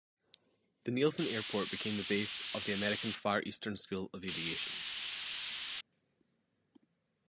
The Nielson Airport became the base of the American Far Eastern School of Aviation.